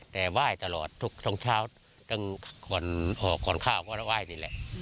แต่ว่ายตลอดทุกท่องเช้าตั้งออกกว่านาฬิกษ์ก่อนเข้าก็เรียงว่ายนี้แหล่ะ